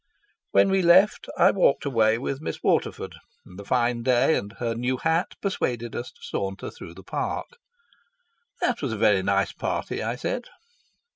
When we left I walked away with Miss Waterford, and the fine day and her new hat persuaded us to saunter through the Park. "That was a very nice party," I said.